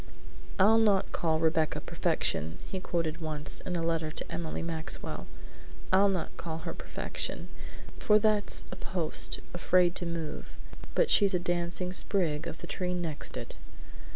"I'll not call Rebecca perfection," he quoted once, in a letter to Emily Maxwell, "I'll not call her perfection, for that's a post, afraid to move. But she's a dancing sprig of the tree next it."